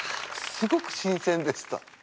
すごく新鮮でした。